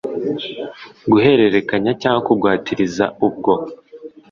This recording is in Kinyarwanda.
guhererekanya cyangwa kugwatiriza ubwo